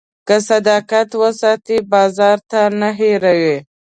که صداقت وساتې، بازار تا نه هېروي.